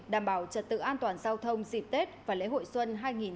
đảm bảo trật tự an toàn giao thông dịp tết và lễ hội xuân hai nghìn hai mươi bốn